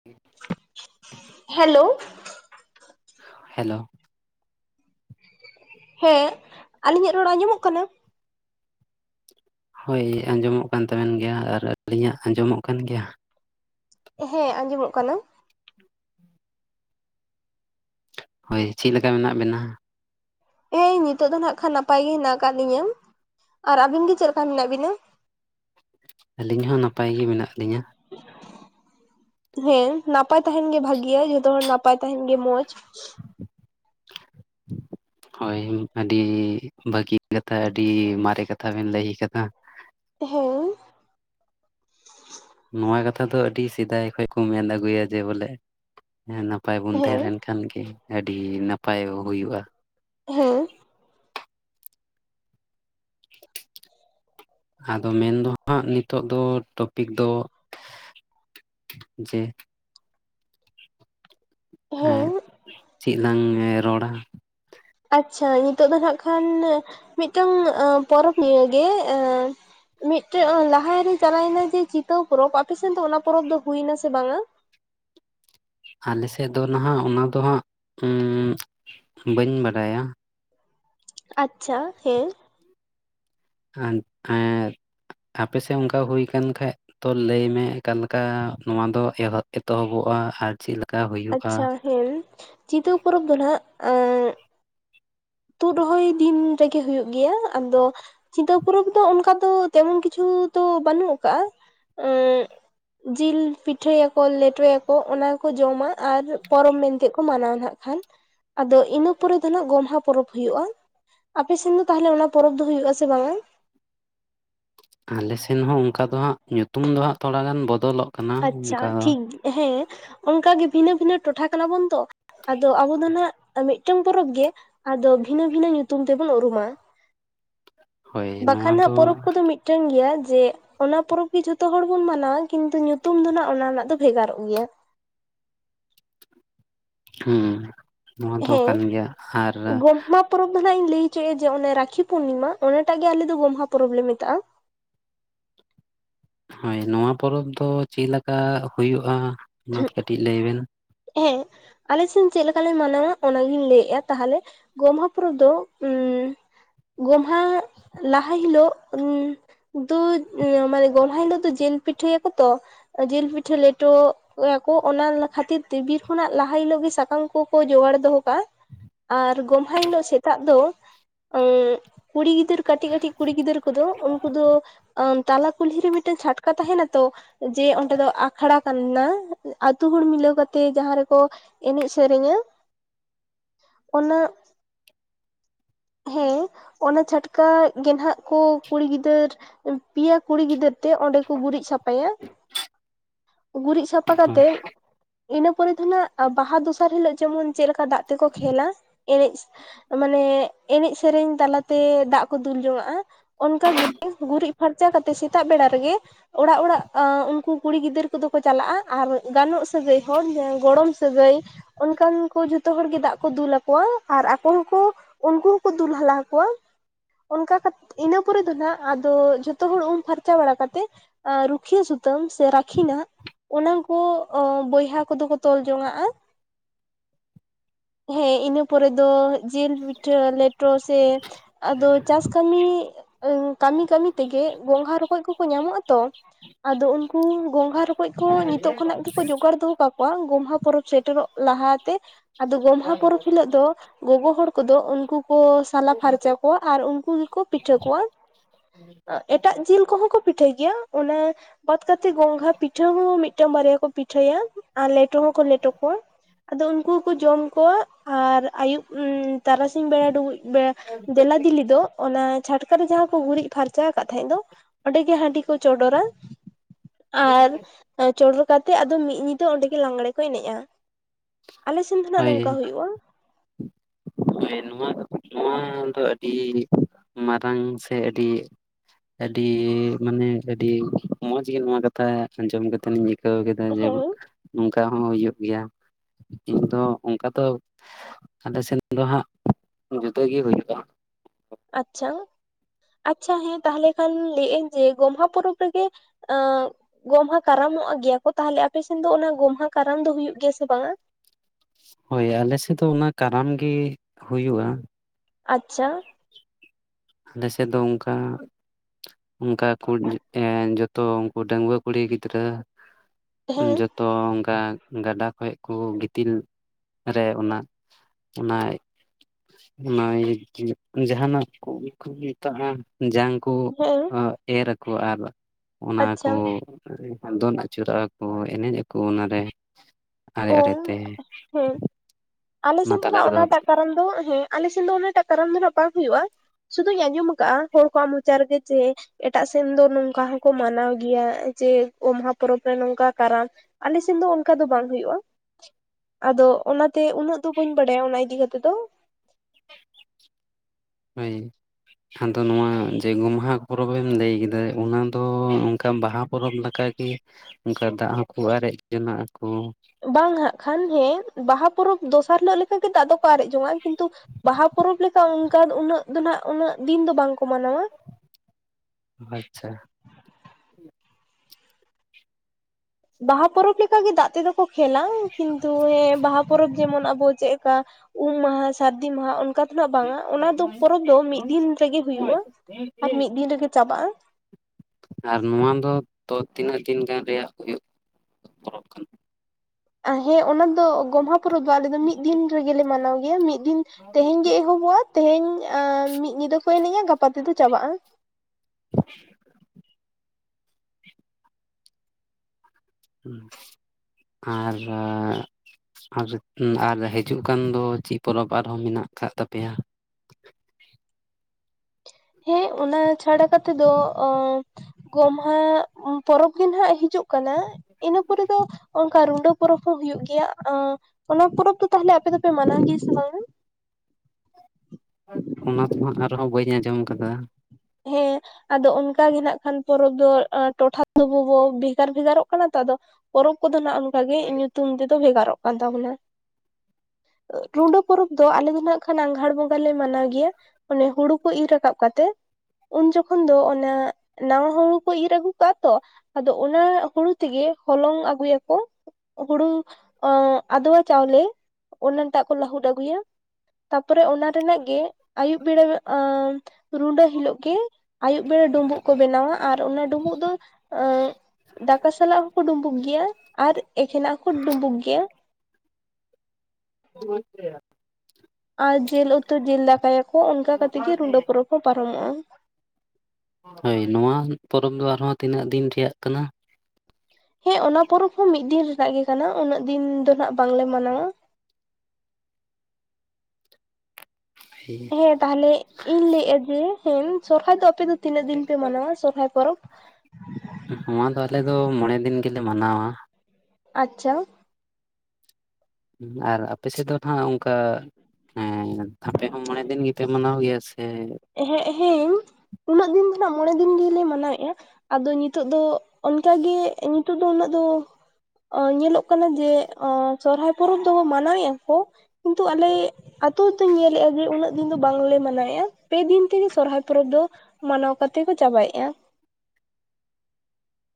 ᱴᱷᱤᱠ᱾ Hello. Hello. ᱦᱮᱸ ᱟᱞᱤᱧᱟᱜ ᱨᱚᱲ ᱟᱸᱡᱚᱢᱚᱜ ᱠᱟᱱᱟ? ᱦᱚᱭ ᱟᱸᱡᱚᱢᱚᱜ ᱠᱟᱱ ᱛᱟᱵᱮᱱ ᱜᱮᱭᱟ, ᱟᱨ ᱟᱹᱞᱤᱧᱟᱜ ᱟᱸᱡᱚᱢᱚᱜ ᱠᱟᱱ ᱜᱮᱭᱟ? ᱦᱮᱸ ᱟᱸᱡᱚᱢᱚᱜ ᱠᱟᱱᱟ᱾ ᱦᱚᱭ ᱪᱮᱫ ᱞᱮᱠᱟ ᱢᱮᱱᱟᱜ ᱵᱮᱱᱟ? ᱮᱭ ᱱᱤᱛᱚᱜ ᱫᱚ ᱱᱟᱜ ᱠᱷᱟᱱ ᱱᱟᱯᱟᱭ ᱦᱮᱱᱟᱜ ᱟᱠᱟᱫ ᱞᱤᱧᱟ᱾ ᱟᱨ ᱟᱹᱵᱤᱱ ᱪᱮᱫ ᱞᱮᱠᱟ ᱢᱮᱱᱟᱜ ᱵᱤᱱᱟ? ᱟᱹᱞᱤᱧ ᱦᱚᱸ ᱱᱟᱯᱟᱭ ᱜᱮ ᱢᱮᱱᱟᱜ ᱞᱤᱧᱟ᱾ ᱦᱮᱸ ᱱᱟᱯᱟᱭ ᱛᱟᱦᱮᱱ ᱜᱮ ᱵᱷᱟᱹᱜᱤᱭᱟ, ᱡᱚᱛᱚ ᱦᱚᱲ ᱱᱟᱯ ᱯᱟᱭ ᱛᱟᱦᱮᱱ ᱜᱮ ᱢᱚᱡᱽ᱾ ᱦᱚᱭ ᱟᱹᱰᱤ ᱵᱷᱟᱹᱜᱤ ᱠᱟᱛᱷᱟ, ᱟᱹᱰᱤ ᱢᱟᱨᱮ ᱠᱟᱛᱷᱟ ᱵᱮᱱ ᱞᱟᱹᱭ ᱟᱠᱟᱫᱟ᱾ ᱦᱮᱸ᱾ ᱱᱚᱣᱟ ᱠᱟᱛᱷᱟ ᱫᱚ ᱟᱹᱰᱤ ᱥᱮᱫᱟᱭ ᱠᱷᱚᱱ ᱠᱚ ᱢᱮᱱ ᱟᱹᱜᱩᱭᱟ ᱡᱮ ᱵᱚᱞᱮ ᱱᱟᱯᱟᱭ ᱵᱚᱱ ᱦᱮᱸ ᱛᱟᱦᱮᱸᱞᱮᱱᱠᱷᱟᱱ ᱜᱮ ᱟᱹᱰᱤ ᱱᱟᱯᱟᱭ ᱦᱩᱭᱩᱜᱼᱟ᱾ ᱦᱮᱸ᱾ ᱟᱫᱚ ᱢᱮᱱᱫᱚ ᱦᱟᱸᱜ ᱱᱤᱛᱚᱜ ᱫᱚ ᱴᱚᱯᱤᱠ ᱫᱚ ᱡᱮ ᱦᱮᱸ ᱪᱮᱫ ᱞᱟᱝ ᱨᱚᱲᱟ? ᱟᱪᱪᱷᱟ ᱱᱤᱛᱚᱜ ᱫᱚ ᱱᱟᱜ ᱠᱷᱟᱱ ᱢᱤᱫᱴᱟᱝ ᱯᱚᱨᱚᱵᱽ ᱱᱤᱭᱟᱹ ᱜᱮ ᱮ ᱢᱤᱫᱴᱮᱡ ᱞᱟᱦᱟᱨᱮ ᱪᱟᱞᱟᱣᱮᱱ ᱡᱮ ᱪᱤᱛᱟᱹᱣ ᱯᱚᱨᱚᱵᱽ, ᱟᱯᱮᱥᱮᱫ ᱫᱚ ᱚᱱᱟ ᱯᱚᱨᱚᱵᱽ ᱫᱚ ᱦᱩᱭᱱᱟ ᱥᱮ ᱵᱟᱝᱟ? ᱟᱞᱮᱥᱮᱫ ᱫᱚ ᱱᱟᱦᱟᱜ ᱚᱱᱟ ᱫᱚ ᱦᱟᱸᱜ ᱩᱸᱜ ᱵᱟᱹᱧ ᱵᱟᱰᱟᱭᱟ᱾ ᱟᱪᱪᱷᱟ ᱦᱮᱸ᱾ [unintelligible] ᱟᱯᱮ ᱥᱮᱫ ᱚᱱᱠᱟ ᱦᱩᱭ ᱠᱟᱱ ᱠᱷᱟᱡ ᱛᱚ ᱞᱟᱹᱭᱢᱮ ᱮᱠᱟᱞᱮᱠᱟ ᱱᱚᱣᱟ ᱫᱚ ᱮᱦᱚᱵ ᱮᱛᱚᱦᱚᱵᱚᱜᱼᱟ ᱟᱨ ᱪᱮᱫ ᱞᱮᱠ ᱟᱪᱪᱷᱟ ᱦᱮᱸ ᱪᱤᱛᱟᱹᱣ ᱯᱚᱨᱚᱵᱽ ᱫᱚ ᱱᱟᱦᱟᱜ ᱟᱸᱜ ᱛᱩᱫ ᱨᱚᱦᱚᱭ ᱫᱤᱱ ᱨᱮᱜᱮ ᱦᱩᱭᱩᱜ ᱜᱮᱭᱟ ᱟᱫᱚ ᱪᱤᱛᱟᱹᱣ ᱯᱚᱨᱚᱵᱽ ᱫᱚ ᱚᱱᱠᱟ ᱫᱚ ᱛᱮᱢᱚᱱ ᱠᱤᱪᱷᱩ ᱛᱚ ᱵᱟᱹᱱᱩᱜ ᱟᱠᱟ-ᱜ ᱩᱸᱜ ᱡᱤᱞ ᱯᱤᱴᱷᱟᱹᱭᱟᱠᱚ ᱞᱮᱴᱚᱭᱟᱠᱚ ᱚᱱᱟᱠᱚ ᱡᱚᱢᱟ ᱟᱨ ᱯᱚᱨᱚᱢ ᱢᱮᱱᱛᱮ ᱠᱚ ᱢᱟᱱᱟᱣᱟ ᱱᱟᱦᱟᱸᱜ᱾ ᱠᱷᱟᱱ᱾ ᱟᱫᱚ ᱤᱱᱟᱹ ᱯᱚᱨᱮ ᱫᱚ ᱱᱟᱦᱟᱸᱜ ᱜᱚᱢᱦᱟ ᱯᱚᱨᱚᱵᱽ ᱦᱩᱭᱩᱜ-ᱟ᱾ ᱟᱯᱮᱥᱮᱱ ᱫᱚ ᱛᱟᱦᱚᱞᱮ ᱚᱱᱟ ᱯᱚᱨᱚᱵᱽ ᱫᱚ ᱦᱩᱭᱩᱜ-ᱟ ᱥᱮ ᱵᱟᱝ-ᱟ? ᱟᱞᱮᱥᱮᱱ ᱦᱚᱸ ᱚᱱᱠᱟ ᱫᱚ ᱦᱟᱸᱜ ᱧᱩᱛᱩᱢ ᱫᱚ ᱦᱟᱸᱜ ᱛᱷᱚᱲᱟ ᱜᱟᱱ ᱵᱚᱫᱚᱞᱚᱜ ᱠᱟᱱᱟ ᱟᱪᱪᱷᱟ ᱚᱱᱠᱟ ᱫᱚ ᱴᱷᱤᱠ ᱜᱮ ᱦᱮᱸ ᱚᱱᱠᱟᱜ ᱜᱮ ᱵᱷᱤᱱᱟᱹ ᱵᱷᱤᱱᱟᱹ ᱴᱚᱴᱷᱟ ᱠᱟᱱᱟ ᱵᱚᱱ ᱛᱚ᱾ ᱟᱫᱚ ᱟᱵᱚ ᱫᱚ ᱱᱟᱦᱟᱜ ᱢᱤᱫᱴᱟᱝ ᱯᱚᱨᱚᱵᱽ ᱜᱮ ᱟᱫᱚ ᱵᱷᱤᱱᱟᱹ ᱵᱷᱤᱱᱟᱹ ᱧᱩᱛᱩᱢ ᱛᱮᱵᱚᱱ ᱩᱨᱩᱢᱟ᱾ ᱦᱳᱭ ᱱᱚᱣᱟ ᱵᱟᱠᱷᱟᱱ ᱫᱚ ᱦᱟᱸᱜ ᱯᱚᱨᱚᱵᱽ ᱠᱚᱫᱚ ᱢᱤᱫᱴᱟᱝ ᱜᱮᱭᱟ ᱡᱮ ᱚᱱᱟ ᱯᱚᱨᱚᱵᱽ ᱜᱮ ᱡᱷᱚᱛᱚ ᱦᱚᱲ ᱵᱩᱱ ᱢᱟᱱᱟᱣᱟ᱾ ᱠᱤᱱᱛᱩ ᱧᱩᱛᱩᱢ ᱫᱚ ᱱᱟᱦᱟᱜ ᱚᱱᱟ ᱨᱮᱱᱟᱜ ᱫᱚ ᱵᱷᱮᱜᱟᱨᱚᱜ ᱜᱮᱭᱟ᱾ ᱦᱩᱸ ᱱᱚᱣᱟ ᱫᱚ ᱦᱮᱸ ᱠᱟᱱ ᱜᱮᱭᱟ ᱟᱨ ᱜᱚᱢᱦᱟ ᱯᱚᱨᱚᱵᱽ ᱫᱚ ᱱᱟᱦᱟᱸᱜ ᱤᱧ ᱞᱟᱹᱭ ᱦᱚᱪᱚᱭᱮ-ᱟ ᱡᱮ ᱚᱱᱮ ᱨᱟᱠᱷᱤ ᱯᱩᱨᱱᱤᱢᱟ, ᱚᱱᱟᱴᱟᱜ ᱜᱮ ᱟᱞᱮ ᱫᱚ ᱜᱚᱢᱦᱟ ᱯᱚᱨᱚᱵᱽ ᱞᱮ ᱢᱮᱛᱟᱜ-ᱟ᱾ ᱦᱳᱭ ᱱᱚᱣᱟ ᱯᱚᱨᱚᱵᱽ ᱫᱚ ᱪᱮᱫ ᱞᱮᱠᱟ ᱦᱩᱭᱩᱜ-ᱟ ᱚᱱᱟᱛᱮ ᱠᱟᱹᱴᱤᱡ ᱞᱟᱹᱭ ᱵᱮᱱ᱾ ᱮᱦᱮᱸ᱾ ᱟᱞᱮ ᱥᱮᱱ ᱪᱮᱫ ᱞᱮᱠᱟ ᱞᱮ ᱢᱟᱱᱟᱣᱟ ᱚᱱᱟᱜᱤᱧ ᱞᱟᱹᱭᱮᱜ-ᱟ ᱛᱟᱦᱞᱮ ᱜᱚᱢᱦᱟ ᱯᱚᱨᱚᱵ ᱫᱚ ᱩᱸᱢ ᱜᱚᱢᱦᱟ ᱞᱟᱦᱟ ᱦᱤᱞᱳᱜ ᱩᱸᱢ ᱫᱩ ᱢᱟᱱᱮ ᱜᱚᱢᱦᱟ ᱦᱤᱞᱳᱜ ᱫᱚ ᱡᱤᱞ ᱯᱤᱴᱷᱟᱹᱭᱟᱠᱚᱛᱚ, ᱡᱤᱞ ᱯᱤᱴᱷᱟᱹ ᱞᱮᱴᱚ ᱭᱟ ᱠᱚ ᱚᱱᱟᱞ ᱠᱷᱟᱹᱛᱤᱨ ᱛᱮ ᱵᱤᱨ ᱠᱷᱚᱱᱟᱜ ᱞᱟᱦᱟ ᱦᱤᱞᱳᱜ ᱜᱮ ᱥᱟᱠᱟᱢ ᱠᱚᱠᱚ ᱡᱳᱚᱜᱟᱲ ᱫᱚᱦᱚ ᱠᱟᱜ᱾ ᱟᱨ ᱜᱚᱢᱦᱟ ᱦᱤᱞᱳᱜ ᱥᱮᱛᱟᱜ ᱫᱚ ᱩᱸᱜ ᱠᱩᱲᱤ ᱜᱤᱫᱟᱹᱨ ᱠᱟᱹᱴᱤᱡ ᱠᱟᱹᱴᱤᱡ ᱠᱩᱲᱤ ᱜᱤᱫᱟᱹᱨ ᱠᱚᱫᱚ ᱩᱱᱠᱩ ᱫᱚ ᱟ ᱛᱟᱞᱟ ᱠᱩᱞᱦᱤᱨᱮ ᱢᱤᱫᱴᱮᱱ ᱪᱷᱟᱴᱠᱟ ᱛᱟᱦᱮᱱᱟ ᱛᱚ ᱡᱮ ᱚᱸᱰᱮ ᱫᱚ ᱟᱠᱷᱲᱟ ᱠᱟᱱᱟ᱾ ᱟᱛᱩ ᱦᱚᱲ ᱢᱤᱞᱟᱹᱣ ᱠᱟᱛᱮᱜ ᱡᱟᱦᱟᱸ ᱨᱮᱠᱚ ᱮᱱᱮᱡ ᱥᱮᱨᱮᱧᱟ ᱚᱱᱟ ᱦᱮᱸ ᱚᱱᱟ ᱪᱷᱟᱴᱠᱟ ᱜᱮ ᱱᱟᱦᱟᱜ ᱠᱚ ᱠᱩᱲᱤ ᱜᱤᱫᱟᱹᱨ ᱯᱮᱭᱟ ᱠᱩᱲᱤ ᱜᱤᱫᱟᱹᱨ ᱛᱮ ᱚᱸᱰᱮ ᱠᱚ ᱜᱩᱨᱤᱡ ᱥᱟᱯᱷᱟᱭᱟ᱾ ᱜᱩᱨᱤᱡ ᱥᱟᱯ ᱯᱟ ᱠᱟᱛᱮᱫ ᱤᱱᱟᱹ ᱯᱚᱨᱮ ᱫᱚ ᱱᱟᱦᱜ ᱵᱟᱦᱟ ᱫᱚᱥᱟᱨ ᱦᱤᱞᱳᱜ ᱡᱮᱢᱚᱱ ᱪᱮᱫ ᱞᱮᱠᱟ ᱫᱟᱜ ᱛᱮᱠᱚ ᱠᱷᱮᱞᱟ ᱮᱱᱮᱡ ᱢᱟᱱᱮ ᱮᱱᱮᱡ ᱥᱮᱨᱮᱧ ᱛᱟᱞᱟᱛᱮ ᱫᱟᱜ ᱠᱚ ᱫᱩᱞ ᱡᱚᱝᱟᱜ-ᱟ᱾ ᱚᱱᱠᱟ ᱜᱮ ᱜᱩᱨᱤᱡᱽ ᱯᱷᱟᱨᱪᱟ ᱠᱟᱛᱮᱜ ᱥᱮᱛᱟᱜ ᱵᱮᱲᱟ ᱨᱮᱜᱮ ᱚᱲᱟᱜ ᱚᱲᱟᱜ ᱟ ᱩᱱᱠᱩ ᱠᱩᱲᱤ ᱜᱤᱫᱟᱹᱨ ᱠᱚᱫᱚ ᱠᱚ ᱪᱟᱞᱟᱜ-ᱟ ᱟᱨ ᱜᱟᱱᱚᱜ ᱥᱟᱹᱜᱟᱹᱭ ᱦᱚᱲ ᱡᱟᱦᱟᱭ ᱜᱚᱲᱚᱢ ᱥᱟᱹᱜᱟᱹᱭ ᱚᱱᱠᱟᱱ ᱠᱚ ᱡᱚᱛᱚ ᱦᱚᱲᱜᱮ ᱫᱟᱜ ᱠᱚ ᱫᱩᱞ ᱟᱠᱚᱣᱟ ᱟᱨ ᱟᱠᱚ ᱦᱚᱸᱠᱚ ᱩᱱᱠᱩ ᱦᱚᱸᱠᱚ ᱫᱩᱞ ᱦᱟᱞᱟ ᱦᱟᱠᱚᱣᱟ᱾ ᱚᱱᱠ ᱠᱟᱛ ᱤᱱᱟᱹ ᱯᱚᱨᱮ ᱫᱚ ᱱᱟᱦᱜ ᱟᱫᱚ ᱡᱷᱚᱛᱚ ᱦᱚᱲ ᱩᱢ ᱯᱷᱟᱨᱪᱟ ᱵᱟᱲᱟ ᱠᱟᱛᱮᱜ ᱟ ᱨᱩᱠᱷᱤᱭᱟᱹ ᱥᱩᱛᱟᱹᱢ ᱥᱮ ᱨᱟᱠᱷᱤ ᱱᱟᱦᱟᱜ ᱚᱱᱟᱝ ᱠᱚ ᱚ ᱵᱚᱭᱦᱟ ᱠᱚᱫᱚ ᱠᱚ ᱛᱚᱞ ᱡᱚᱝᱟᱜ-ᱟ᱾ ᱦᱮᱸ ᱤᱱᱟᱹ ᱯᱚᱨᱮ ᱫᱚ ᱡᱤᱞ ᱯᱤᱴᱷᱟᱹ, ᱞᱮᱴᱚ ᱥᱮ ᱟᱫᱚ ᱪᱟᱥ ᱠᱟᱹᱢᱤ ᱮᱝ ᱠᱟᱹᱢᱤ ᱠᱟᱹᱢᱤ ᱛᱮᱜᱮ ᱜᱚᱝᱜᱷᱟ ᱨᱚᱠᱚᱡ ᱠᱚᱠᱚ ᱧᱟᱢᱚᱜ-ᱟ ᱛᱚ᱾ ᱟᱫᱚ ᱩᱱᱠᱩ ᱜᱚᱝᱜᱷᱟ ᱨᱚ ᱠᱚᱡ ᱠᱚ ᱱᱤᱛᱚᱜ ᱠᱷᱚᱱᱟᱜ ᱜᱮᱠᱚ ᱡᱳᱜᱟᱲ ᱫᱚᱦᱚᱸ ᱟᱠᱚᱣᱟ᱾ ᱜᱚᱢᱦᱟ ᱯᱚᱨᱚᱵᱽ ᱥᱮᱴᱮᱨᱚᱜ ᱞᱟᱦᱟᱛᱮ᱾ ᱟᱫᱚ ᱜᱚᱢᱦᱟ ᱯᱚᱨᱚᱵᱽ ᱦᱤᱞᱳ ᱫᱚ ᱜᱚᱜᱚ ᱦᱚᱲ ᱠᱚᱫᱚ ᱩᱱᱠᱩ ᱠᱚ ᱥᱟᱞᱟ ᱯᱷᱟᱨᱪᱟ ᱠᱚᱣᱟ ᱟᱨ ᱩᱱᱠᱩ ᱜᱮᱠᱚ ᱯᱤᱴᱷᱟᱹ ᱠᱚᱣᱟ᱾ ᱮ ᱮᱴᱟᱜ ᱡᱤᱞ ᱠᱚᱦᱚᱸ ᱠᱚ ᱯᱤᱴᱷᱟᱹᱭ ᱜᱮᱭᱟ ᱚᱱᱟ ᱵᱟᱫ ᱠᱟᱛᱮ ᱜᱚᱝᱜᱷᱟ ᱯᱤᱴᱷᱟᱹ ᱦᱚᱸ ᱢᱤᱫᱴᱟᱝ ᱵᱟᱨᱭᱟ ᱠᱚ ᱯᱤᱴᱷᱟᱹᱭᱟ᱾ ᱟᱨ ᱞᱮᱴᱚ ᱦᱚᱸᱠᱚ ᱞᱮᱴᱚ ᱠᱚᱣᱟ ᱟᱫᱚ ᱩᱱᱠᱩ ᱦᱚᱸᱠᱚ ᱡᱚᱢ ᱠᱚᱣᱟ ᱟᱨ ᱟᱭᱩᱵ ᱩᱸ ᱛᱟᱨᱟᱥᱤᱧ ᱵᱮᱲᱟ ᱰᱩᱵᱩᱡ ᱵᱮᱲᱟ ᱫᱮᱞᱟ ᱫᱤᱞᱤ ᱫᱚ ᱚᱱᱟ ᱪᱷᱟᱴᱠᱟᱨᱮ ᱡᱟᱦᱟᱸ ᱠᱚ ᱜᱩᱨᱤᱡ ᱯᱷᱟᱨᱪᱟ ᱟᱠᱟᱫ ᱛᱟᱦᱮᱸᱫ ᱫᱚ ᱚᱸᱰᱮᱜᱮ ᱦᱟᱸᱰᱤ ᱠᱚ ᱪᱚᱰᱚᱨᱟ᱾ [inaudible] ᱟᱨ ᱮᱸ ᱪᱚᱰᱚᱨ ᱠᱟᱛᱮᱜ ᱟᱫᱚ ᱢᱤᱫ ᱧᱤᱫᱟᱹ ᱚᱸᱰᱮ ᱜᱮ ᱞᱟᱸᱟᱜᱽᱬᱮ ᱠᱚ ᱮᱱᱮᱡᱼᱟ᱾ ᱟᱞᱮ ᱥᱮᱱ ᱫᱚ ᱱᱟᱦᱟᱜ ᱦᱳᱭ ᱱᱚᱝᱠᱟ ᱦᱩᱭᱩᱜᱼᱟ᱾ ᱦᱳᱭ ᱱᱚᱣᱟ ᱫᱚ ᱱᱚᱣᱟ ᱫᱚ ᱟᱹᱰᱤ ᱢᱟᱨᱟᱝ ᱥᱮ ᱟᱹᱰᱤ ᱟᱹᱰᱤ ᱢᱟᱱᱮ ᱟᱹᱰᱤ ᱢᱚᱸᱡᱽ ᱜᱮ ᱱᱚᱣᱟ ᱠᱟᱛᱷᱟ ᱟᱸᱡᱚᱢ ᱠᱟᱛᱮᱱ ᱤᱧ ᱠᱟᱹᱣ ᱠᱮᱫᱟ ᱡᱮ ᱦᱮᱸ ᱱᱚᱝᱠᱟ ᱦᱚᱸ ᱦᱩᱭᱩᱜ ᱜᱮᱭᱟ᱾ ᱤᱧ ᱫᱚ ᱚᱱᱠᱟ ᱛᱚ ᱟᱞᱮ ᱥᱮᱱ ᱫᱚ ᱦᱟᱸᱜ ᱡᱩᱫᱟᱹ ᱜᱮ ᱦᱩᱭᱩᱜᱼᱟ᱾ ᱟᱪᱪᱷᱟ᱾ ᱟᱪᱪᱷᱟ ᱦᱮᱸ ᱛᱟᱦᱚᱞᱮ ᱠᱷᱟᱱ ᱞᱟᱹᱭᱮᱜ ᱟᱹᱧ ᱡᱮ ᱜᱚᱢᱦᱟ ᱯᱚᱨᱚᱵᱽ ᱨᱮᱜᱮ ᱟᱸ ᱜᱚᱢᱦᱟ ᱠᱟᱨᱟᱢᱚᱜ ᱜᱮᱭᱟ ᱠᱚ ᱛᱟᱦᱚᱞᱮ ᱟᱯᱮ ᱥᱮᱱ ᱫᱚ ᱚᱱᱟ ᱜᱚᱢᱦᱟ ᱠᱟᱨᱟᱢ ᱫᱚ ᱦᱩᱭᱩᱜ ᱜᱮᱭᱟ ᱥᱮ ᱵᱟᱝᱟ? ᱦᱳᱭ ᱟᱞᱮ ᱥᱮᱫ ᱫᱚ ᱚᱱᱟ ᱠᱟᱨᱟᱢ ᱜᱮ ᱦᱩᱭᱩᱜ-ᱟ᱾ ᱟᱪᱪᱷᱟ᱾ ᱟᱞᱮ ᱥᱮᱫ ᱫᱚ ᱚᱱᱠᱟ ᱚᱱᱠᱟ ᱠᱩᱡ ᱮ ᱡᱚᱛᱚ ᱩᱱᱠᱩ ᱰᱟᱺᱜᱽᱣᱟᱹ ᱠᱩᱲᱤ ᱜᱤᱫᱽᱨᱟᱹ ᱦᱮᱸ ᱡᱚᱛᱚ ᱚᱱᱠᱟ ᱜᱟᱰᱟ ᱠᱷᱚᱡ ᱠᱚ ᱜᱤᱛᱤᱞ ᱨᱮ ᱚᱱᱟ ᱚᱱᱟ ᱚᱱᱟ [unintelligible] ᱡᱟᱦᱟᱱᱟᱜ ᱠᱚ, ᱠᱚ ᱢᱮᱛᱟᱜᱼᱟ ᱡᱟᱝ ᱠᱚ ᱦᱮᱸ ᱮᱸ ᱮᱨ ᱟᱠᱚ ᱟᱨ ᱚᱱᱟ ᱠᱚ ᱟᱪᱪᱷᱟ ᱫᱚᱱ ᱟᱹᱪᱩᱨᱟᱜᱼᱟ ᱠᱚ ᱮᱱᱮᱡ ᱟᱠᱚ ᱚᱱᱟᱨᱮ᱾ ᱟᱲᱮ ᱚ, ᱟᱲᱮᱛᱮ ᱦᱮᱸ᱾ ᱟᱞᱮ ᱚᱱᱟ ᱥᱮᱱ ᱫᱚ ᱛᱟᱞᱟ ᱱᱟᱦᱟᱜ ᱨᱮᱫᱚ ᱚᱱᱟᱴᱟᱜ ᱠᱟᱨᱟᱢ ᱫᱚ ᱦᱮᱸ ᱟᱞᱮ ᱥᱮᱱ ᱫᱚ ᱚᱱᱟᱴᱟᱜ ᱠᱟᱨᱟᱢ ᱫᱚ ᱱᱟᱦᱟᱜ ᱵᱟᱝ ᱦᱩᱭᱩᱜᱼᱟ᱾ ᱥᱩᱫᱩᱧ ᱟᱸᱡᱚᱢ ᱟᱠᱟᱫᱼᱟ ᱦᱚᱲ ᱠᱚᱣᱟᱜ ᱢᱚᱪᱟ ᱨᱮᱜᱮ ᱡᱮ ᱮᱴᱟᱜ ᱥᱮᱱ ᱫᱚ ᱱᱚᱝᱠᱟ ᱦᱚᱸᱠᱚ ᱢᱟᱱᱟᱣ ᱜᱮᱭᱟ ᱡᱮ ᱚᱢᱦᱟ ᱯᱚᱨᱚᱵᱽ ᱨᱮ ᱱᱚᱝᱠᱟ ᱠᱟᱨᱟᱢ᱾ ᱟᱞᱮ ᱥᱮᱱ ᱫᱚ ᱚᱱᱠᱟ ᱫᱚ ᱵᱟᱝ ᱦᱩᱭᱩᱜᱼᱟ ᱟᱫᱚ ᱚᱱᱟ ᱛᱮ ᱩᱱᱟᱹᱜ ᱫᱚ ᱵᱟᱹᱧ ᱵᱟᱰᱟᱭᱟ ᱚᱱᱟ ᱤᱫᱤ ᱠᱟᱛᱮ ᱫᱚ᱾ ᱦᱳᱭ᱾ ᱟᱫᱚ ᱱᱚᱣᱟ ᱡᱮ ᱜᱚᱢᱦᱟ ᱯᱚᱨᱚᱵᱽᱮᱢ ᱞᱟᱹᱭ ᱠᱮᱫᱟ ᱚᱱᱟ ᱫᱚ ᱱᱚᱝᱠᱟ ᱵᱟᱦᱟ ᱯᱚᱨᱚᱵᱽ ᱞᱮᱠᱟᱜᱮ ᱚᱱᱠᱟ ᱫᱟᱜ ᱦᱚᱸᱠᱚ ᱟᱨᱮᱡ ᱡᱚᱱᱟᱜ ᱟᱠᱚ? ᱵᱟᱝ ᱦᱟᱸᱜ ᱠᱷᱟᱱ ᱦᱮᱸ ᱵᱟᱦᱟ ᱯᱚᱨᱚᱵᱽ ᱫᱚᱥᱟᱨ ᱦᱤᱞᱳ ᱞᱮᱼᱼ ᱜᱮ ᱫᱟᱜ ᱫᱚᱠᱚ ᱟᱨᱮᱡ ᱡᱚᱝᱼᱟ ᱠᱤᱱᱛᱩ ᱵᱟᱦᱟ ᱯᱚᱨᱚᱵᱽ ᱞᱮᱠᱟ ᱚᱱᱠᱟ ᱫᱚ ᱩᱱᱟᱹᱜ ᱫᱚ ᱱᱟᱦᱟᱜ ᱩᱱᱟᱹᱜ ᱫᱤᱱ ᱫᱚ ᱵᱟᱝᱠᱚ ᱢᱟᱱᱟᱣᱟ᱾ ᱟᱪᱪᱷᱟ᱾ ᱵᱟᱦᱟ ᱯᱚᱨᱚᱵᱽ ᱞᱮᱠᱟᱜᱮ ᱫᱟᱜ ᱛᱮᱫᱚ ᱠᱚ ᱠᱷᱮᱞᱟ, ᱠᱤᱱᱛᱩ ᱦᱮᱸ ᱵᱟᱦᱟ ᱯᱚᱨᱚᱵᱽ ᱡᱮᱢᱚᱱ ᱟᱵᱚ ᱪᱮᱫᱠᱟ ᱩᱢ ᱢᱟᱦᱟ ᱥᱟᱹᱨᱫᱤ ᱢᱟᱦᱟ ᱚᱱ ᱠᱟ ᱫᱚ ᱱᱟᱜ ᱵᱟᱝᱼᱟ, ᱚᱱᱟ ᱫᱚ ᱯᱚᱨᱚᱵᱽ ᱫᱚ ᱢᱤᱫ ᱫᱤᱱ ᱨᱮᱜᱮ ᱦᱩᱭᱩᱜᱼᱟ ᱟᱨ ᱢᱤᱫ ᱨᱮᱜᱮ ᱪᱟᱵᱟᱜᱼᱟ᱾ ᱟᱨ ᱱᱚᱣᱟ ᱫᱚ ᱛᱚ ᱛᱤᱱᱟᱹᱜ ᱫᱤᱱ ᱜᱟᱱ ᱨᱮᱭᱟᱜ ᱦᱩᱭᱩᱜ ᱯᱚᱨᱚᱵᱽ ᱠᱟᱱᱟ? ᱦᱮᱸ ᱚᱱᱟ ᱫᱚ ᱜᱚᱢᱦᱟ ᱯᱚᱨᱚᱵᱽ ᱫᱚ ᱟᱞᱮ ᱫᱚ ᱢᱤᱫ ᱫᱤᱱ ᱨᱮᱜᱮ ᱢᱟᱱᱟᱣ ᱜᱮᱭᱟ ᱢᱤᱫ ᱫᱤᱱ ᱛᱮᱦᱮᱧ ᱜᱮ ᱮᱦ ᱦᱚᱵᱚᱜ-ᱟ ᱛᱮᱦᱮᱧ ᱢᱤᱫ ᱧᱤᱫᱟᱹ ᱠᱚ ᱮᱱᱮᱡᱼᱟ ᱜᱟᱯᱟ ᱛᱮᱫᱚ ᱪᱟᱵᱟᱜᱼᱟ᱾ [inaudible] ᱟᱨ ᱟᱨ ᱦᱤᱡᱩᱜ ᱠᱟᱱ ᱫᱚ ᱪᱮᱫ ᱯᱚᱨᱚᱵᱽ ᱟᱨᱦᱚᱸ ᱢᱮᱱᱟᱜ ᱠᱟᱫ ᱛᱟᱯᱮᱭᱟ? ᱦᱮᱸ ᱚᱱᱟ ᱪᱷᱟᱲᱟ ᱠᱟᱛᱮᱫ ᱫᱚ ᱚ ᱜᱚᱢᱦᱟ ᱯᱚᱨᱚᱵᱽ ᱜᱮ ᱱᱟᱜ ᱦᱤᱡᱩᱜ ᱠᱟᱱᱟ, ᱤᱱᱟᱹ ᱯᱚᱨᱮ ᱫᱚ ᱠᱟ ᱨᱩᱰᱟᱹ ᱯᱚᱨᱚᱵᱽ ᱦᱚᱸ ᱦᱩᱭᱩᱜ ᱜᱮᱭᱟ, ᱚᱱᱟ ᱯᱚᱨᱚᱵᱽ ᱫᱚ ᱛᱟᱦᱞᱮ ᱟᱯᱮ ᱫᱚᱯᱮ ᱢᱟᱱᱟᱣ ᱜᱮᱭᱟ ᱥᱮ ᱵᱟᱝ-ᱟ? ᱚᱱᱟ ᱫᱚ ᱦᱟᱜ ᱟᱨᱦᱚᱸ ᱵᱟᱹᱧ ᱟᱸᱡᱚᱢ ᱠᱟᱫᱟ᱾ ᱦᱮᱸ᱾ ᱟᱫᱚ ᱚᱱᱠᱟᱜᱮ ᱱᱟᱜ ᱠᱷᱟᱱ ᱯᱚᱨᱚᱵᱽ ᱫᱚ, ᱴᱚᱴᱷᱟ ᱫᱚᱵᱩ ᱵᱚ ᱵᱷᱮᱜᱟᱨ ᱵᱷᱮᱜᱟᱨᱚᱜ ᱠᱟᱱᱟ ᱛᱚ ᱟᱫᱚ ᱯᱚᱨᱚᱵᱽ ᱠᱚᱫᱚ ᱱᱟᱸᱜ ᱚᱱᱠᱟᱜᱮ ᱧᱩᱛᱩᱢ ᱛᱮᱫᱚ ᱵᱷᱮᱜᱟᱨᱚᱜ ᱠᱟᱱ ᱛᱟᱵᱚᱱᱟ᱾ ᱨᱩᱰᱟᱹ ᱯᱚᱨᱚᱵᱽ ᱫᱚ ᱟᱞᱮ ᱫᱚ ᱱᱟᱜ ᱠᱷᱟᱱ ᱟᱸᱜᱷᱟᱲ ᱵᱚᱸᱜᱟ ᱞᱮ ᱢᱟᱱᱟᱣ ᱜᱮᱭᱟ, ᱚᱱᱮ ᱦᱩᱲᱩ ᱠᱚ ᱤᱨ ᱨᱟᱠᱟᱵ ᱠᱟᱛᱮ, ᱩᱱ ᱡᱚᱠᱷᱚᱱ ᱫᱚ ᱚᱱᱟ ᱱᱟᱣᱟ ᱦᱩᱲᱩ ᱠᱚ ᱤᱨ ᱟᱹᱜᱩ ᱠᱟᱜ-ᱟ ᱛᱚ᱾ ᱟᱫᱚ ᱚᱱᱟ ᱦᱩᱲᱩ ᱛᱮᱜᱮ ᱦᱚᱞᱚᱝ ᱟᱜᱩᱭᱟ ᱠᱚ᱾ ᱦᱩᱲᱩ ᱚ ᱟᱫᱽᱣᱟ ᱪᱟᱣᱞᱮ ᱚᱱᱟᱴᱟᱜ ᱠᱚ ᱞᱟᱹᱦᱩᱫ ᱟᱜᱩᱭᱟ᱾ ᱛᱟᱯᱚᱨᱮ ᱚᱱᱟ ᱨᱮᱱᱟᱜ ᱜᱮ ᱟᱭᱩᱵ ᱵᱮᱲᱟ ᱟ ᱨᱩᱰᱟᱹ ᱦᱤᱞᱳᱜ ᱜᱮ ᱟᱭᱩᱵ ᱵᱮᱲᱟ ᱰᱩᱵᱩᱜ ᱠᱚ ᱵᱮᱱᱟᱣᱟ ᱟᱨ ᱚᱱᱟ ᱰᱩᱵᱩᱜ ᱫᱚ ᱟ ᱫᱟᱠᱟ ᱥᱟᱞᱟᱜ ᱦᱚᱸᱠᱚ ᱰᱩᱵᱩᱜ ᱜᱮᱭᱟ᱾ ᱟᱨ ᱮᱠᱷᱮᱱᱟᱜ ᱦᱚᱸ ᱠᱚ ᱰᱩᱵᱩᱜ ᱜᱮᱭᱟ᱾ [unintelligible] ᱟᱨ ᱡᱮᱞ ᱩᱛᱩ ᱡᱮᱞ ᱫᱟᱠᱟᱭᱟᱠᱚ ᱚᱱᱠᱟ ᱠᱟᱛᱮᱜ ᱜᱮ ᱨᱩᱰᱟᱹ ᱯᱚᱨᱚᱵᱽ ᱦᱚᱸ ᱯᱟᱨᱚᱢᱚᱜ-ᱟ᱾ ᱦᱳᱭ, ᱱᱚᱣᱟ ᱯᱚᱨᱚᱵᱽ ᱫᱚ ᱟᱨᱦᱚᱸ ᱛᱤᱱᱟᱹᱜ ᱫᱤᱱ ᱨᱮᱭᱟᱜ ᱠᱟᱱᱟ? ᱦᱮᱸ, ᱚᱱᱟ ᱯᱚᱨᱚᱵᱽ ᱦᱚᱸ ᱢᱤ ᱫᱤᱱ ᱨᱮᱱᱟᱜ ᱜᱮ ᱠᱟᱱᱟ ᱩᱱᱟᱹᱜ ᱫᱤᱱ ᱫᱚ ᱱᱟᱦᱟᱜ ᱵᱟᱝᱞᱮ ᱢᱟᱱᱟᱣᱟ᱾ [unintelligible] ᱦᱮᱸ, ᱛᱟᱦᱚᱞᱮ ᱤᱧ ᱞᱟᱹᱭᱮᱜ ᱟ. ᱧ ᱡᱮ ᱦᱮᱸ ᱥᱚᱨᱦᱟᱭ ᱫᱚ ᱟᱯᱮ ᱫᱚ ᱛᱤᱱᱟᱹᱜ ᱫᱤᱱ ᱯᱮ ᱢᱟᱱᱟᱣᱟ ᱥᱚᱨᱦᱟᱭ ᱯᱚᱨᱚᱵᱽ? ᱱᱚᱣᱟ ᱫᱚ ᱟᱞᱮ ᱫᱚ ᱢᱚᱬᱮ ᱫᱤᱱ ᱜᱮᱞᱮ ᱢᱟᱱᱟᱣᱟ᱾ ᱟᱪᱪᱷᱟ᱾ ᱟᱨ ᱟᱯᱮ ᱥᱮᱫ ᱫᱚ ᱱᱟᱦᱟᱜ ᱚᱱᱠᱟ, ᱮᱸ ᱟᱯᱮ ᱦᱚᱸ ᱢᱚᱬᱮ ᱫᱤᱱ ᱜᱮᱯᱮ ᱢᱟᱱᱟᱣ ᱜᱮᱭᱟ ᱥᱮ ᱮᱸ ᱾ ᱦᱮᱸ ᱦᱮᱸ, ᱩᱱᱟᱹᱜ ᱫᱤᱱ ᱫᱚ ᱱᱟᱦᱟᱜ ᱢᱚᱬᱮ ᱫᱤᱱ ᱜᱮᱞᱮ ᱢᱟᱱᱟᱣᱮᱜ-ᱟ᱾ ᱟᱫᱚ ᱱᱤᱛᱳᱜ ᱫᱚ ᱚᱱᱠᱟ ᱜᱮ ᱱᱤᱛᱳᱜ ᱫᱚ ᱩᱱᱟᱹᱜ ᱫᱚ ᱚ ᱧᱮᱞᱚᱜ ᱠᱟᱱᱟ ᱡᱮ ᱚ ᱥᱚᱨᱦᱟᱭ ᱯᱚᱨᱚᱵᱽ ᱫᱚ ᱢᱟᱱᱟᱣᱮᱜ-ᱟ ᱠᱚ ᱠᱤᱱᱛᱩ ᱟᱞᱮ ᱟᱛᱳ ᱟᱛᱳ ᱧᱮᱞᱮᱜ-ᱟ ᱡᱮ ᱩᱱᱟᱹᱜ ᱫᱤᱱ ᱫᱚ ᱵᱟᱝᱞᱮ ᱢᱟᱱᱟᱣᱮᱜ-ᱟ᱾ ᱯᱮ ᱫᱤᱱ ᱛᱮᱜᱮ ᱥᱚᱨᱦᱟᱭ ᱯᱚᱨᱚᱵᱽ ᱫᱚ ᱢᱟᱱᱟᱣ ᱠᱟᱛᱮ ᱠᱚ ᱪᱟᱵᱟᱭᱮᱜ-ᱟ᱾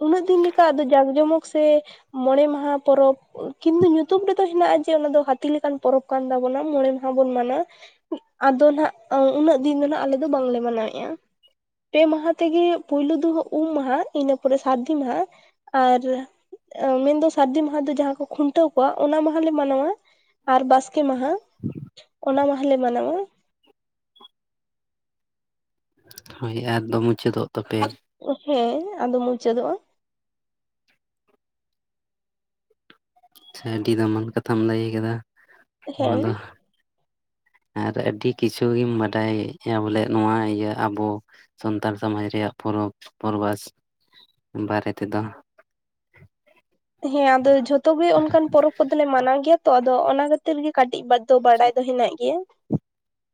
ᱩᱱᱟᱹᱜ ᱫᱤᱱ ᱞᱮᱠᱟ ᱟᱫᱚ ᱡᱟᱠ ᱡᱚᱢᱚᱠ ᱥᱮ ᱢᱚᱬᱮ ᱢᱟᱦᱟ ᱯᱚᱨᱚᱵᱽ ᱠᱤᱱᱛᱩ ᱧᱩᱛᱩᱢ ᱨᱮᱫᱚ ᱦᱮᱱᱟᱜ-ᱟ ᱡᱮ ᱚᱱᱟ ᱫᱚ ᱦᱟᱛᱤ ᱞᱮᱠᱟᱱ ᱯᱚᱨᱚᱵᱽ ᱠᱟᱱ ᱛᱟᱵᱚᱱᱟ ᱢᱚᱬᱮ ᱢᱟᱦᱟ ᱵᱚᱱ ᱢᱟᱱᱟᱣᱟ᱾ ᱟᱫᱚ ᱱᱟᱦᱟᱜ ᱩᱱᱟᱹᱜ ᱫᱤᱱ ᱫᱚ ᱱᱟᱜ ᱟᱞᱮ ᱫᱚ ᱵᱟᱝᱞᱮ ᱢᱟᱱᱟᱣᱮᱜ-ᱟ᱾ ᱯᱮ ᱢᱟᱦᱟ ᱛᱮᱜᱮ ᱯᱩᱭᱞᱩ ᱫᱩ ᱩ ᱩᱢ ᱢᱟᱦᱟ ᱤᱱᱟᱹ ᱯᱚᱨᱮ ᱥᱟᱨᱫᱤ ᱢᱟᱦᱟ ᱟᱨ ᱢᱮᱱᱫᱚ ᱥᱟᱨᱫᱤ ᱢᱟᱦᱟ ᱫᱚ ᱡᱟᱦᱟᱸ ᱠᱷᱩᱱ ᱴᱟᱹᱣ ᱠᱚᱣᱟ ᱚᱱᱟ ᱢᱟᱦᱟᱞᱮ ᱢᱟᱱᱟᱣᱟ ᱟᱨ ᱵᱟᱥᱠᱮ ᱢᱟᱦᱟ ᱚᱱᱟ ᱢᱟᱦᱟᱞᱮ ᱢᱟᱱᱟᱣᱟ᱾ ᱦᱳᱭ ᱟᱨ ᱫᱚ ᱢᱩᱪᱟᱹᱫᱚᱜ ᱛᱟᱯᱮᱭᱟ᱾ ᱚ ᱦᱮᱸ ᱟᱫᱚ ᱢᱩᱪᱟᱹᱫᱚᱜ-ᱟ᱾ ᱟᱹᱰᱤ ᱫᱟᱢᱟᱱ ᱠᱟᱛᱷᱟᱢ ᱞᱟᱹᱭ ᱠᱟᱫᱟ ᱱᱚᱣᱟ ᱦᱮᱸ ᱫᱚ᱾ ᱟᱨ ᱟᱹᱰᱤ ᱠᱤᱪᱷᱩ ᱜᱤᱢ ᱵᱟᱰᱟᱭᱟ ᱵᱚᱞᱮ ᱱᱚᱣᱟ ᱤᱭᱟᱹ ᱟᱵᱚ ᱥᱟᱱᱛᱟᱞ ᱥᱚᱢᱟᱡᱽ ᱨᱮᱭᱟᱜ ᱯᱚᱨᱚᱵᱽ ᱯᱚᱨᱵᱷᱟᱥ ᱵᱟᱨᱮ ᱛᱮᱫᱚ᱾ ᱦᱮᱸ, ᱟᱫᱚ ᱡᱷᱚᱛᱚ ᱜᱮ ᱚᱱᱠᱟᱱ ᱯᱚᱨᱚᱵᱽ ᱠᱚᱫᱚᱞᱮ ᱢᱟᱱᱟᱣ ᱜᱮᱭᱟ ᱛᱚ, ᱟᱫᱚ ᱚᱱᱟᱛ ᱛᱤᱨ ᱜᱮ ᱠᱟᱹᱴᱤᱡ ᱵᱟᱨ ᱫᱚ ᱵᱟᱰᱟᱭ ᱫᱚ ᱦᱮᱱᱟᱜ ᱜᱮᱭᱟ᱾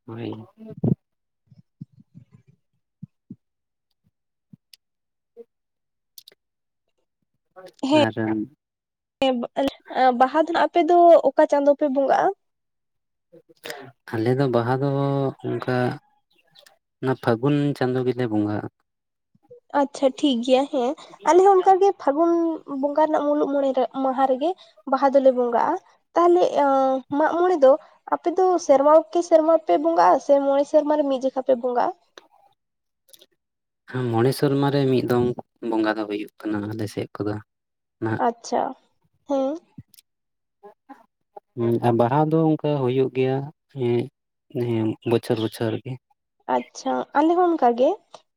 ᱦᱳᱭ᱾ ᱟᱨ ᱦᱮᱸ ᱵᱟᱦᱟ ᱫᱚᱦᱱᱟᱜ ᱟᱯᱮ ᱫᱚ ᱚᱠᱟ ᱪᱟᱸᱫᱚ ᱯᱮ ᱵᱚᱸᱜᱟᱜᱼᱟ? ᱟᱞᱮ ᱫᱚ ᱵᱟᱦᱟ ᱫᱚ ᱚᱱᱠᱟ ᱚᱱᱟ ᱯᱷᱟᱹᱜᱩᱱ ᱪᱟᱸᱫᱳ ᱜᱮᱞᱮ ᱵᱚᱸᱜᱟᱜᱼᱟ ᱾ ᱟᱪᱪᱷᱟ ᱴᱷᱤᱠ ᱜᱮᱭᱟ ᱦᱮᱸ ᱾ ᱟᱞᱮ ᱦᱚᱸ ᱚᱱᱠᱟᱜᱮ ᱯᱷᱟᱹᱜᱩᱱ ᱵᱚᱸᱜᱟ ᱨᱮᱱᱟᱜ ᱢᱩᱞᱩᱜ ᱢᱚᱬᱮ ᱢᱟᱦᱟ ᱨᱮᱜᱮ ᱵᱟᱦᱟ ᱫᱚᱞᱮ ᱵᱚᱸᱜᱟᱜᱼᱟ᱾ ᱛᱟᱦᱚᱞᱮ ᱢᱟᱜ ᱢᱚᱸᱬᱮ ᱫᱚ ᱟᱯᱮ ᱫᱚ ᱥᱮᱨᱢᱟ ᱠᱮ ᱥᱮᱨᱢᱟ ᱯᱮ ᱵᱚᱸᱜᱟ-ᱟ ᱥᱮ ᱢᱚᱬᱮ ᱥᱮᱨᱢᱟ ᱨᱮ ᱢᱤᱫ ᱡᱚᱠᱷᱟ ᱯᱮ ᱵᱚᱸᱜᱟᱼᱟ᱾ ᱢᱚᱸᱬᱮ ᱥᱮᱨᱢᱟ ᱨᱮ ᱢᱤᱫ ᱫᱚᱢ ᱵᱚᱸᱜᱟ ᱫᱚ ᱦᱩᱭᱩᱜ ᱠᱟᱱᱟ ᱟᱞᱮ ᱥᱮᱫ ᱠᱚᱫᱚ ᱾ ᱟᱪᱪᱷᱟ, ᱦᱮᱸ᱾ ᱦᱮᱸ ᱵᱟᱦᱟ ᱫᱚ ᱚᱱᱠᱟ ᱦᱩᱭᱩᱜ ᱜᱮᱭᱟ ᱦᱮᱸ᱾ ᱦᱮ ᱵᱚᱪᱷᱚᱨ ᱵᱚᱪᱷᱚᱨ ᱜᱮ᱾ ᱟᱪᱪᱷᱟ ᱟᱞᱮ ᱦᱚᱸ ᱚᱱᱟᱜᱮ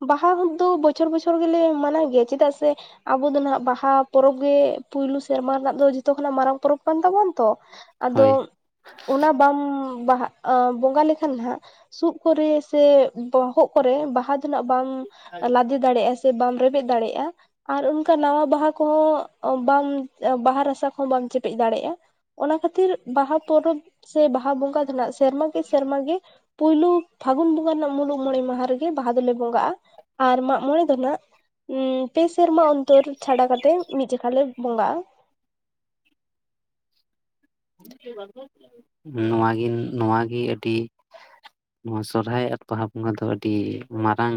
ᱵᱟᱦᱟ ᱫᱚ ᱵᱚᱪᱷᱚᱨ ᱵᱚᱪᱷᱚᱨ ᱜᱮᱞᱮ ᱢᱟᱱᱟᱣ ᱜᱮᱭᱟ ᱪᱮᱫᱟᱜ ᱥᱮ ᱟᱵᱚ ᱫᱚ ᱱᱟᱜ ᱵᱟᱦᱟ ᱯᱚᱨᱚᱵ ᱜᱮ ᱯᱳᱭᱞᱳ ᱥᱮᱨᱢᱟ ᱨᱮᱱᱟ ᱫᱚ ᱡᱚᱛᱚ ᱠᱷᱚᱱᱟᱜ ᱢᱟᱨᱟᱝ ᱯᱚᱨᱚᱵ ᱠᱟᱱ ᱛᱟᱵᱳᱱᱟ ᱛᱚ ᱾ ᱟᱫᱚ ᱦᱳᱭ ᱚᱱᱟ ᱵᱟᱢ ᱵᱟᱦᱟ ᱵᱚᱸᱜᱟ ᱞᱮᱠᱷᱟᱱ ᱦᱟᱸᱜ ᱥᱩᱫ ᱠᱚᱨᱮ ᱥᱮ ᱵᱚᱦᱚᱜ ᱠᱚᱨᱮ ᱵᱟᱦᱟ ᱫᱚᱱᱟᱹᱜ ᱵᱟᱢ ᱞᱟᱫᱮ ᱫᱟᱲᱮᱭᱟᱜᱼᱟ ᱥᱮ ᱵᱟᱢ ᱨᱮᱵᱮᱫ ᱫᱟᱲᱮᱭᱟᱜᱼᱟ ᱾ ᱟᱨ ᱚᱱᱠᱟ ᱱᱟᱣᱟ ᱵᱟᱦᱟ ᱠᱚᱦᱚᱸ ᱵᱟᱢ ᱵᱟᱦᱟ ᱨᱟᱥᱟ ᱠᱚᱦᱚᱸ ᱵᱟᱢ ᱪᱮᱯᱮᱡ ᱫᱟᱲᱮᱭᱟᱜᱼᱟ ᱾ ᱚᱱᱟ ᱠᱷᱟᱹᱛᱤᱨ ᱵᱟᱦᱟ ᱯᱚᱨᱚᱵ ᱥᱮ ᱵᱟᱦᱟ ᱵᱚᱸᱜᱟ ᱫᱚᱱᱟᱜ ᱥᱮᱨᱢᱟ ᱠᱮ ᱥᱮᱨᱢᱟ ᱜᱮ ᱯᱩᱭᱞᱩ ᱯᱷᱟᱹᱜᱩᱱ ᱵᱚᱸᱜᱟ ᱨᱮᱱᱟᱜ ᱢᱩᱞᱩᱜ ᱢᱚᱸᱬᱮ ᱢᱟᱦᱟ ᱨᱮᱜᱮ ᱵᱟᱦᱟ ᱫᱚᱞᱮ ᱵᱚᱸᱜᱟᱜᱼᱟ ᱟᱨ ᱢᱟᱜ ᱢᱚᱸᱬᱮ ᱫᱚ ᱱᱟᱜ ᱯᱮ ᱥᱮᱨᱢᱟ ᱚᱱᱛᱚᱨ ᱪᱷᱟᱰᱟ ᱠᱟᱛᱮᱜ ᱢᱤᱫ ᱡᱚᱠᱷᱟ ᱞᱮ ᱵᱚᱸᱜᱟᱜᱼᱟ ᱾ ᱱᱚᱣᱟ ᱱᱚᱣᱟᱜᱮ ᱟᱹᱰᱤ ᱱᱚᱣᱟ ᱥᱚᱨᱦᱟᱭ ᱟᱨ ᱵᱟᱦᱟ ᱵᱚᱸᱜᱟ ᱫᱚ ᱟᱹᱰᱤ ᱢᱟᱨᱟᱝ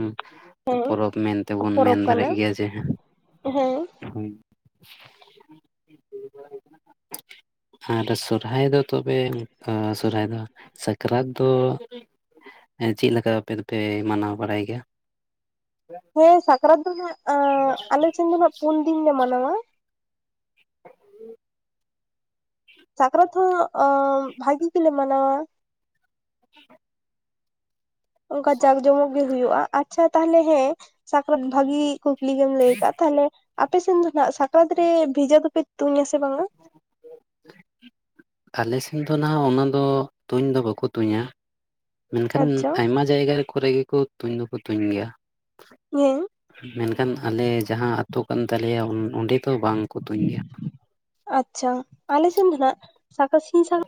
ᱦᱮᱸ ᱯᱚᱨᱚᱵ ᱢᱮᱱ ᱛᱮᱵᱚᱱ ᱢᱮᱱ ᱯᱚᱨᱚᱵᱽ ᱠᱟᱱᱟ ᱫᱟᱲᱮᱜ ᱜᱮᱭᱟ ᱡᱮ ᱦᱮ ᱦᱮᱸ ᱟᱨ ᱥᱚᱨᱚᱦᱟᱭ ᱫᱚ ᱛᱚᱵᱮ ᱚᱱᱠᱟ ᱥᱚᱨᱚᱦᱟᱭ ᱫᱚ ᱥᱟᱠᱨᱟᱛ ᱫᱚ ᱪᱮᱫ ᱞᱮᱠᱟ ᱟᱯᱮ ᱫᱚᱯᱮ ᱢᱟᱱᱟᱣ ᱵᱟᱲᱟᱭ ᱜᱮᱭᱟ? ᱦᱮᱸ ᱥᱟᱠᱨᱟᱛ ᱫᱚ ᱱᱟᱜ ᱟᱞᱮ ᱴᱷᱮᱱ ᱫᱚ ᱱᱟᱜ ᱯᱩᱱ ᱫᱤᱱ ᱞᱮ ᱢᱟᱱᱟᱣᱟ ᱾ ᱥᱟᱠᱨᱟᱛ ᱦᱚᱸ ᱵᱷᱟᱹᱜᱤ ᱜᱮᱞᱮ ᱢᱟᱱᱟᱣᱟ᱾ [unintelligible] ᱚᱱᱠᱟ ᱡᱟᱸᱠ ᱡᱚᱢᱚᱠ ᱜᱤ ᱦᱩᱭᱩᱜᱼᱟ, ᱟᱪᱪᱷᱟ ᱛᱟᱦᱞᱮ ᱦᱮᱸ ᱥᱟᱠᱨᱟᱛ ᱵᱷᱟᱹᱜᱤ ᱠᱩᱠᱞᱤ ᱜᱮᱢ ᱞᱟᱹᱭ ᱟᱠᱟᱜ ᱛᱟᱦᱚᱞᱮ ᱟᱯᱮ ᱥᱮᱱ ᱫᱚ ᱱᱟᱜ ᱥᱟᱠᱨᱟᱛ ᱨᱮ ᱵᱷᱮᱡᱟ ᱫᱚᱯᱮ ᱛᱩᱧ ᱟᱥᱮ ᱵᱟᱝᱟ? ᱟᱞᱮ ᱥᱮᱱ ᱫᱚ ᱱᱟᱜ ᱚᱱᱟ ᱫᱚ ᱛᱩᱧ ᱫᱚ ᱵᱟᱠᱚ ᱛᱩᱧᱟ ᱾ ᱢᱮᱱᱠᱷᱟᱱ ᱟᱪᱪᱷᱟ ᱟᱭᱢᱟ ᱡᱟᱭᱜᱟ ᱠᱚᱨᱮ ᱜᱮᱠᱚ ᱫᱚᱠᱚ ᱛᱩᱧ ᱜᱮᱭᱟ᱾ [unintelligible] ᱢᱮᱱᱠᱷᱟᱱ ᱟᱞᱮ ᱡᱟᱦᱟᱸ ᱟᱛᱳ ᱠᱟᱱ ᱛᱟᱞᱮᱭᱟ ᱚᱸᱰᱮ ᱫᱚ ᱵᱟᱝᱠᱚ ᱛᱩᱧ ᱜᱮᱭᱟ᱾ ᱟᱪᱪᱷᱟ ᱟᱞᱮ ᱥᱮᱱ ᱫᱚ ᱱᱟᱜ ᱥᱟᱠᱟᱨᱟᱛ ᱥᱤᱧᱥᱟᱠᱟᱨᱟᱛ